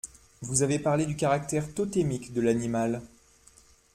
Vous avez parlé du caractère totémique de l’animal.